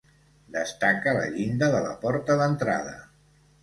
Destaca la llinda de la porta d'entrada.